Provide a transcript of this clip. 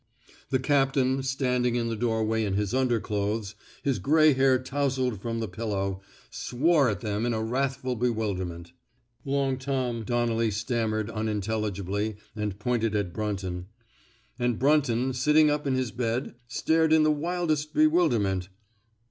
The captain — standing in the doorway in his underclothes, his gray hair tousled from the pillow — swore at them in a wrathful bewilderment. 133 THE SMOKE EATEES Long Tom '' Donnelly stammered unin telligibly and pointed at Bmnton; and Brunton, sitting np in his bed, stared in the wildest bewilderment.